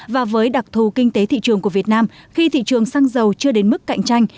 và với đặc thù kinh tế thị trường của việt nam khi thị trường xăng dầu chưa đến mức cạnh tranh